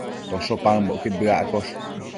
tosho paëmbocquid bëaccosh